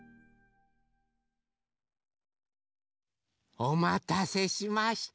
おまたせしました。